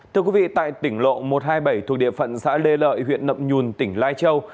thưa quý vị tại tỉnh lộ một trăm hai mươi bảy thuộc địa phận xã lê lợi huyện nậm nhùn tỉnh lai châu